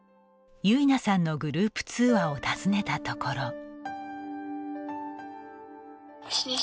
ゆいなさんのグループ通話を訪ねたところ。